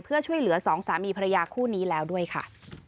เพื่อช่วยเหลือสองสามีภรรยาคู่นี้แล้วด้วยค่ะ